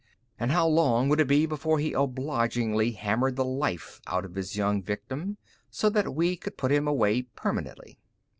And how long would it be before he obligingly hammered the life out of his young victim so that we could put him away permanently?